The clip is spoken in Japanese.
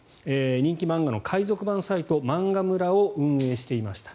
人気漫画の海賊版サイト漫画村を運営していました。